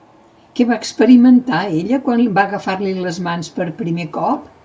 Què va experimentar ella quan va agafar-li les mans per primer cop?